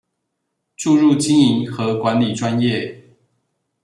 注入經營和管理專業